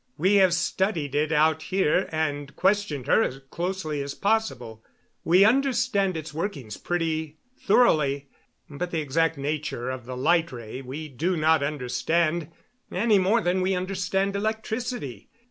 "We have studied it out here and questioned her as closely as possible. We understand its workings pretty thoroughly. But the exact nature of the light ray we do not understand, any more than we understand electricity.